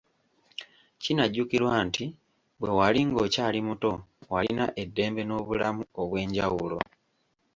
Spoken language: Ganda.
Kinajjukirwa nti bwe wali ng'okyali muto walina eddembe n'obulamu obw'enjawulo.